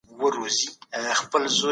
له زور او زیاتي څخه هېڅ نظام نه سي جوړېدای.